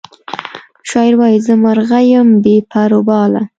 شاعر وایی زه مرغه یم بې پر او باله